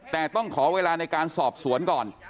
แต่ต้องขอเวลาในการสอบสวนก่อน